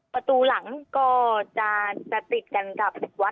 ประตูหลังก็จะติดกันกับวัด